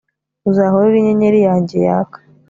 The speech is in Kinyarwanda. uzahora uri inyenyeri yanjye yaka